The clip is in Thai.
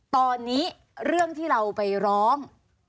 ตอนนี้เรื่องที่เราไปร้อง